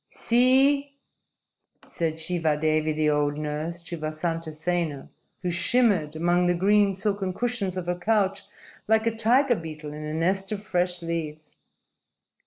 _ "See!" said Shivadevi, the old nurse, to Vasantasena, who shimmered among the green, silken cushions of her couch like a tiger beetle in a nest of fresh leaves.